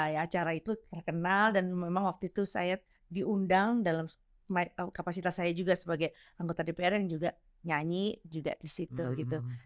ya acara itu terkenal dan memang waktu itu saya diundang dalam kapasitas saya juga sebagai anggota dpr yang juga nyanyi juga di situ gitu